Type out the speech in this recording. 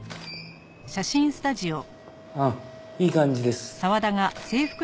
うんいい感じです。